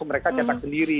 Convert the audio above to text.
mereka cetak sendiri